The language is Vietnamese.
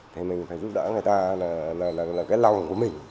thì mình phải giúp đỡ người ta là cái lòng của mình